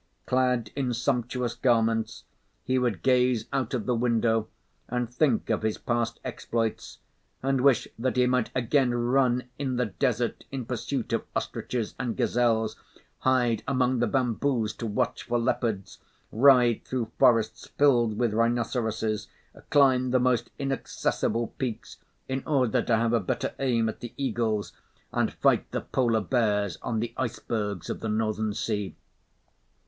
Clad in sumptuous garments, he would gaze out of the window and think of his past exploits; and wish that he might again run in the desert in pursuit of ostriches and gazelles, hide among the bamboos to watch for leopards, ride through forests filled with rhinoceroses, climb the most inaccessible peaks in order to have a better aim at the eagles, and fight the polar bears on the icebergs of the northern sea.